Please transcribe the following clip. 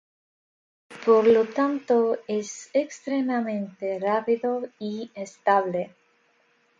Por lo tanto, es extremamente rápido y estable.